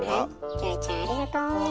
キョエちゃんありがとう。